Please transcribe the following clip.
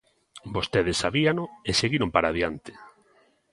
Vostedes sabíano e seguiron para adiante.